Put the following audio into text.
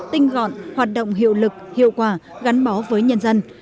tinh gọn hoạt động hiệu lực hiệu quả gắn bó với nhân dân